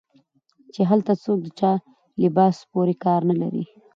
چې هلته څوک د چا لباس پورې کار نه لري